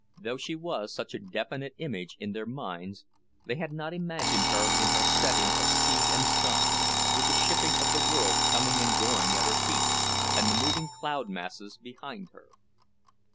Though she was such a definite image in their minds, they had not imagined her in her setting of sea and sky, with the shipping of the world coming and going at her feet, and the moving cloud masses behind her.